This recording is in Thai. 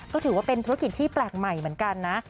ก็ถือว่าเป็นธุรกิจที่แปลกใหม่เหมือนกันนะ